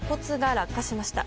落下しました。